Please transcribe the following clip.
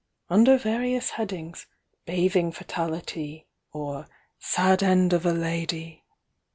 "Under various headings: 'Bathing Fatality' or 'Sad End of a Lady.'